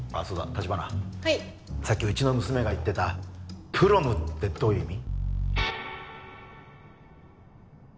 立花はいさっきうちの娘が言ってたプロムってどういう意味？